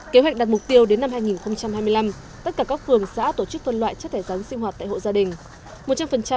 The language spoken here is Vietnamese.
kế hoạch đặt mục tiêu đến năm hai nghìn hai mươi năm tất cả các phường xã tổ chức phân loại chất thải rắn sinh hoạt tại hộ gia đình